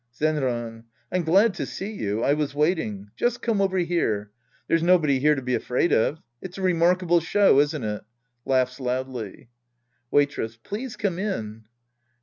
Zenran. I'm glad to see you. I was waiting. Just come over here. There's nobody here to be afraid of. It's a remarkable show, isn't it ? {Laughs loudly!) Waitress. Please come in.